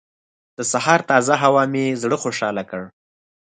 د سهار تازه هوا مې زړه خوشحاله کړ.